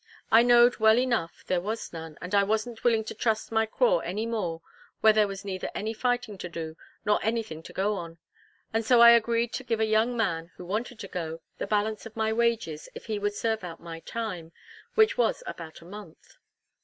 I know'd well enough there was none, and I wasn't willing to trust my craw any more where there was neither any fighting to do, nor any thing to go on; and so I agreed to give a young man, who wanted to go, the balance of my wages if he would serve out my time, which was about a month.